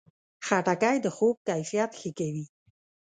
خټکی د خوب کیفیت ښه کوي.